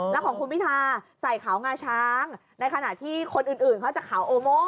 แล้วของคุณพิทาใส่ขาวงาช้างในขณะที่คนอื่นเขาจะขาวโอโม่